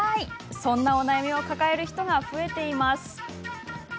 そんなお悩みを抱える人が増えています。